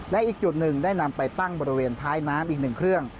และอีกจุดหนึ่งได้นำไปตั้งบริเวณท้ายน้ำอีกหนึ่งเครื่อง